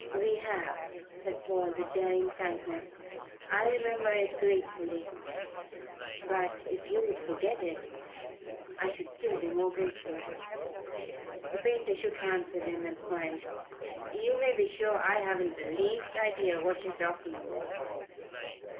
"We have," said Paul with daring frankness. "I remember it gratefully. But if you would forget it I should be still more grateful." The painter shook hands with him and smiled. "You may be sure I haven't the least idea what you're talking about."